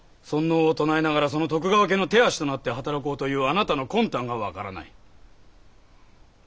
尊王を唱えながらその徳川家の手足となって働こうというあなたの魂胆が分からない。